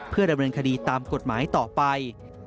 เพื่อดำเนินคดีตามกฎหมายต่อไป